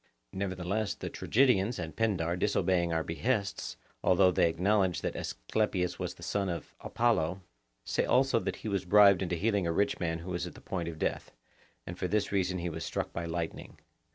Nevertheless, the tragedians and Pindar disobeying our behests, although they acknowledge that Asclepius was the son of Apollo, say also that he was bribed into healing a rich man who was at the point of death, and for this reason he was struck by lightning.